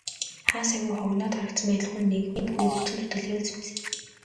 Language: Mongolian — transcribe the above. Хаа сайгүй хогондоо дарагдсан байдал хүн нэг бүрийн хүчин зүтгэлээр л цэмцийнэ.